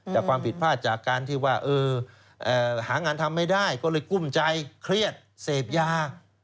แต่ความผิดพลาดจากการที่ว่าหางานทำไม่ได้ก็เลยกุ้มใจเครียดเสพยา